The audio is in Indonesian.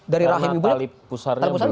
karena talip pusarnya belum